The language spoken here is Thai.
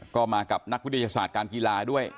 ก็มากับนักวิทยาศาสตร์การกีฬาด้วย